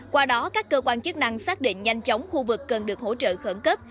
qua đó các cơ quan chức năng xác định nhanh chóng khu vực cần được hỗ trợ khẩn cấp